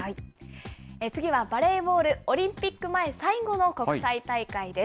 次はバレーボール、オリンピック前最後の国際大会です。